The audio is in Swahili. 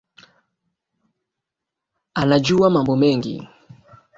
Anajua mambo mengi